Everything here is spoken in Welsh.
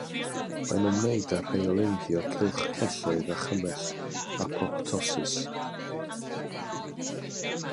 Mae'n ymwneud â rheoleiddio cylch celloedd a chymell apoptosis.